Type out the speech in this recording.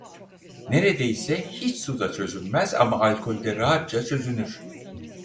Neredeyse hiç suda çözünmez ama alkolde rahatça çözünür.